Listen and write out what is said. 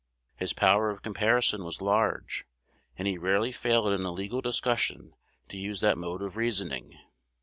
"His power of comparison was large, and he rarely failed in a legal discussion to use that mode of reasoning.